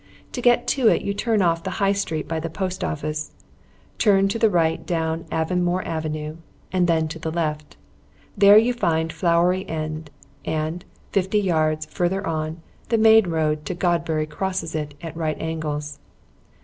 To get to it you turn off the High Street by the Post Office, turn to the right down Avonmore Avenue, and then to the left. There you find Flowery End, and, fifty yards further on, the main road to Godbury crosses it at right angles.